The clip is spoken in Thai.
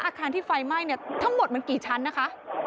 อาคารที่ไฟไหม้เนี่ยทั้งหมดมันกี่ชั้นนะคะ